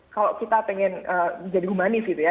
kalau kita pengen jadi humanis gitu ya